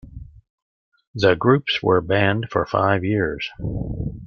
The groups were banned for five years.